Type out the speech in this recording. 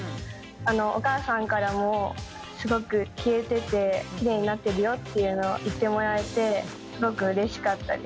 お母さんからも「すごく消えててきれいになってるよ」っていうのを言ってもらえてすごくうれしかったです。